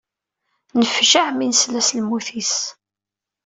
Nefjeɛ mi nesla s lmut-is.